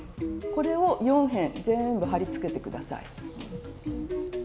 これを４辺全部貼り付けて下さい。